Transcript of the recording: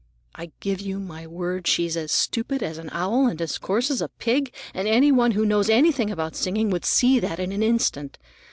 I give you my word she's as stupid as an owl and as coarse as a pig, and any one who knows anything about singing would see that in an instant.